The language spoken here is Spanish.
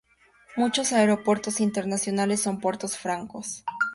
Muchos aeropuertos internacionales son puertos francos.